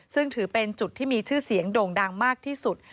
ซึ่งถือเป็นจุดที่มีชื่อเสียงโด่งดังมากที่สุด